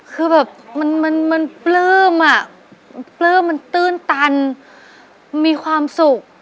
คือแบบมันปลื้มอ่ะปลื้มมันตื้นตันมีความสุข